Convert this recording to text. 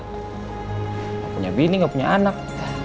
tidak punya bini nggak punya anak